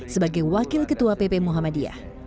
sebagai wakil ketua pp muhammadiyah